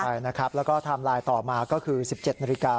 ใช่นะครับแล้วก็ไทม์ไลน์ต่อมาก็คือ๑๗นาฬิกา